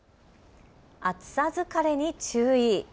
暑さ疲れに注意。